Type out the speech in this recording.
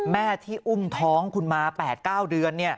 แม่ที่อุ้มท้องคุณมา๘๙เดือน